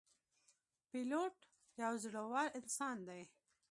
پیلوټ یو زړهور انسان وي.